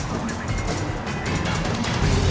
ช่วยด้วยค่ะช่วยด้วยช่วยด้วย